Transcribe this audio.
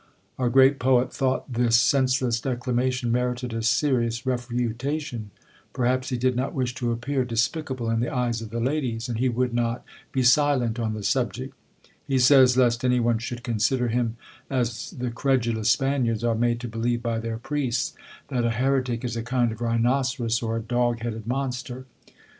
Our great poet thought this senseless declamation merited a serious refutation; perhaps he did not wish to appear despicable in the eyes of the ladies; and he would not be silent on the subject, he says, lest any one should consider him as the credulous Spaniards are made to believe by their priests, that a heretic is a kind of rhinoceros or a dog headed monster.